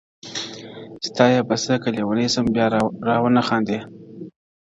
ستا يې په څه که لېونی سم بيا راونه خاندې,